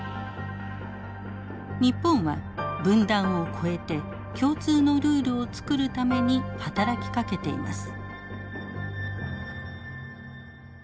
日本は分断を超えて共通のルールを作るために働きかけています。